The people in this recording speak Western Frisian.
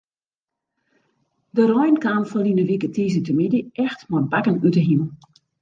De rein kaam ferline wike tiisdeitemiddei echt mei bakken út de himel.